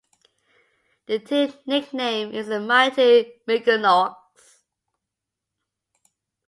The team nickname is the Mighty Mikinocks.